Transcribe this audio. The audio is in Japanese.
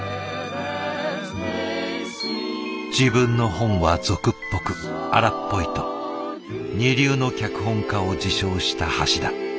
自分のホンは俗っぽく荒っぽいと二流の脚本家を自称した橋田。